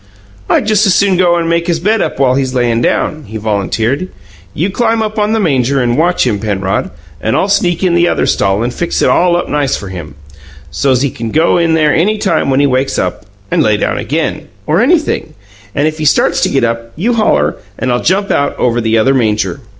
"I just as soon go and make his bed up while he's layin' down," he volunteered. "You climb up on the manger and watch him, Penrod, and I'll sneak in the other stall and fix it all up nice for him, so's he can go in there any time when he wakes up, and lay down again, or anything; and if he starts to get up, you holler and I'll jump out over the other manger."